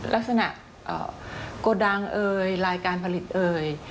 ลักษณะโกดังเอ่ยลายการผลิตเอ่ย